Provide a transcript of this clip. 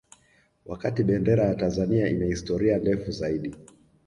Wakati Bendera ya Tanzania ina historia ndefu zaidi